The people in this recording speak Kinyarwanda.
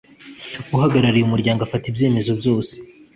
Uhagarariye Umuryango afata ibyemezo byose